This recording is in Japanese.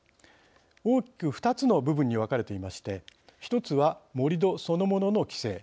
大きく２つの部分に分かれていまして１つは、盛り土そのものの規制